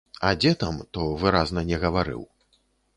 А дзе там, то выразна не гаварыў.